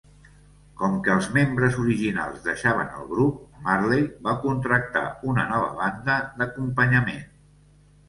Com que els membres originals deixaven el grup, Marley va contractar una nova banda d'acompanyament.